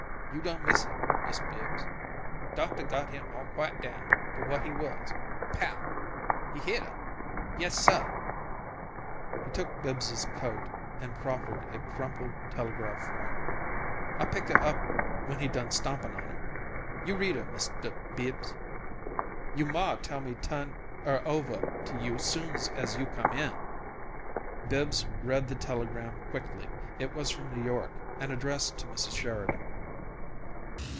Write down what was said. You done miss' it, Mist' Bibbs. Doctuh got him all quiet' down, to what he was. POW! he hit'er! Yessuh!" He took Bibbs's coat and proffered a crumpled telegraph form. "Here what come," he said. "I pick 'er up when he done stompin' on 'er. You read 'er, Mist' Bibbs you' ma tell me tuhn 'er ovuh to you soon's you come in." Bibbs read the telegram quickly. It was from New York and addressed to Mrs. Sheridan.